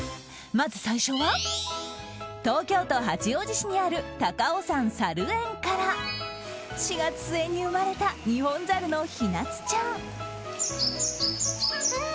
まず最初は東京都八王子市にある高尾山さる園から４月末に生まれたニホンザルのヒナツちゃん。